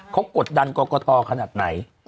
เขากดดันกรกตขนาดไหน